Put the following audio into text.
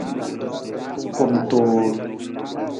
Kumtuur.